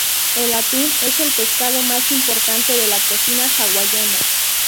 El atún es el pescado más importante de la cocina hawaiana.